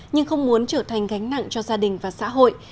nhưng không muốn trở thành gánh nặng cho gia đình và xã hội